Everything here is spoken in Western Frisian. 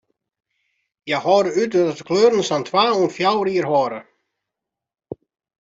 Hja hâlde út dat de kleuren sa'n twa oant fjouwer jier hâlde.